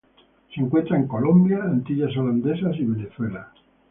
Se encuentra en Colombia, Antillas Holandesas y Venezuela.